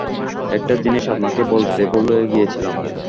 একটা জিনিষ আপনাকে বলতে ভুলে গিয়েছিলাম।